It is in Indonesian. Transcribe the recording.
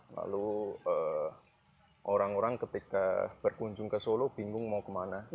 lalu orang orang ketika berkunjung ke solo bingung mau kemana